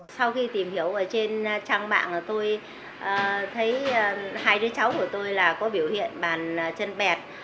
sau khi tìm hiểu ở trên trang mạng tôi thấy hai đứa cháu của tôi là có biểu hiện bàn chân bẹt bàn chân không hề có lõm